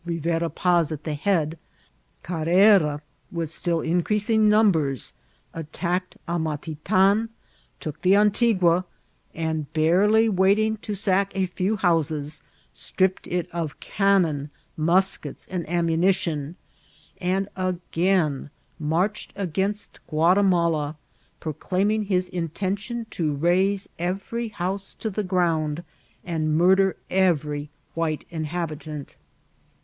Rivera Paz at the head, Carrera, with still increasing numbers, attacked Amati* tan, took the Antigua, and, barely waiting to sack a few houses, stripped it of cannon, muskets, and ammuni BBFBAT OF CAKRBKA. IMS tion, aad again nuur eked against Ghmtimalay prockdio* ing bis intention to raze every house to the ground, and murder every white inhabitant.